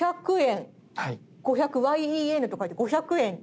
５００ＹＥＮと書いて５００ＹＥＮ。